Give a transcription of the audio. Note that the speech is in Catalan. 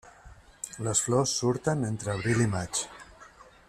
Les flors surten entre abril i maig.